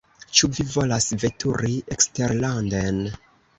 Ĉu vi volas veturi eksterlanden?